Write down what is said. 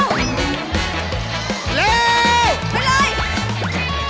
ช่วงนี้ช่วงรอ